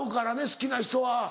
好きな人は。